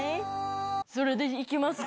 それでいきますか。